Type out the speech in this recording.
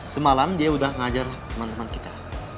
semalam dia udah ngajar temen temen kita